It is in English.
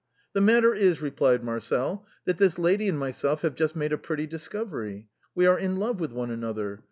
" The matter is," replied Marcel, " that this lady and myself have just made a pretty discovery. We are in love with one another.